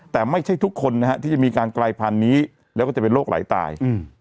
แต่ไม่ใช่ทุกคนนะฮะที่จะมีการกลายพันธุ์นี้แล้วก็จะเป็นโรคไหลตาย